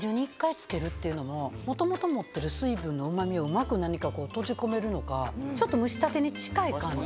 っていうのも元々持ってる水分のうま味をうまく何か閉じ込めるのかちょっと蒸したてに近い感じ。